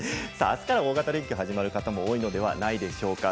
あすから大型連休が始まる方も多いのではないでしょうか。